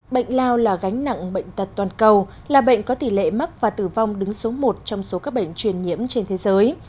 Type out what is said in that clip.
bệnh lao là gánh nặng bệnh tật toàn cầu là bệnh có tỷ lệ mắc và tử vong đứng số một trong số các bệnh truyền nhiễm trên thế giới